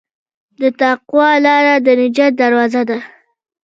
د تقوی لاره د نجات دروازه ده.